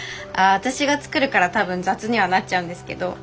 あ私が作るから多分雑にはなっちゃうんですけど。